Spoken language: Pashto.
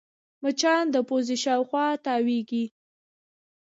مچان د پوزې شاوخوا تاوېږي